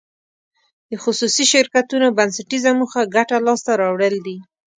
د خصوصي شرکتونو بنسټیزه موخه ګټه لاس ته راوړل دي.